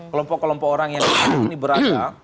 kelompok kelompok orang yang berada